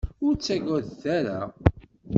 Ur ttagadet ara.